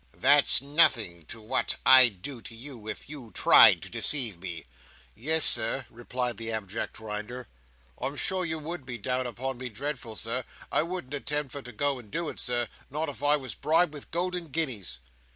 "That's nothing to what I'd do to you, if you tried to deceive me." "Yes, Sir," replied the abject Grinder, "I'm sure you would be down upon me dreadful, Sir. I wouldn't attempt for to go and do it, Sir, not if I was bribed with golden guineas."